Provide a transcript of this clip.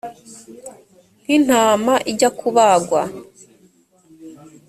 nk intama ijya kubagwa